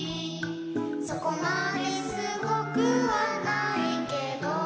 「そこまですごくはないけど」